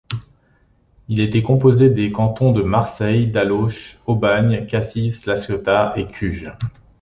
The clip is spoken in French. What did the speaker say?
Il était composé des cantons de Marseille, D'Allauch, Aubagne, Cassis, la Ciotat et Cuges.